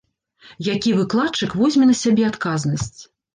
Які выкладчык возьме на сябе адказнасць?